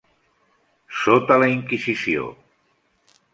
sota la Inquisició